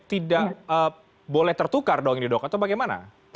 tidak boleh tertukar dong ini dok atau bagaimana